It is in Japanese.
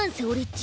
ち